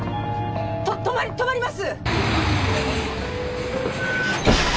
とっ止まり止まります！